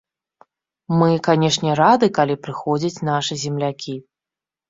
Мы, канешне, рады, калі прыходзяць нашы землякі.